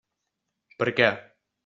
Per què.